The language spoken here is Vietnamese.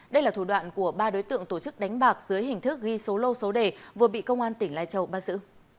đây là thủ đoạn của ba đối tượng tổ chức đánh bạc dưới hình thức ghi số lô số đề vừa bị công an tỉnh lai châu bắt giữ